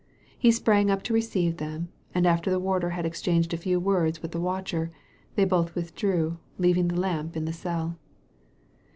He sprang up to receive them, and after the warder had exchanged a few words with the watcher, they both withdrew, leaving the lamp in the cell.